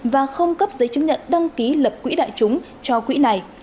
và không cấp giấy chứng nhận đăng ký lập quỹ đại chúng cho quỹ này